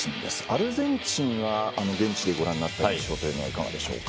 アルゼンチンは現地でご覧になった印象はいかがでしょうか。